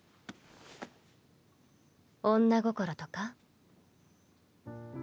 女心とか？